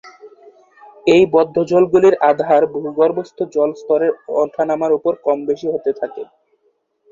এই বদ্ধজলগুলির আধার ভূগর্ভস্থ জল স্তরের ওঠানামার উপর কম বেশী হতে থাকে।